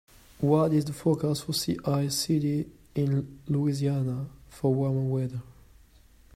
what is the forecast for Sea Isle City in Louisiana for warmer weather